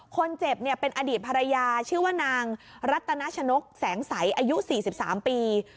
คนเจ็บเนี่ยเป็นอดีตภรรยาชื่อว่านางรัตนาชนกแสงสัยอายุ๔๓ปี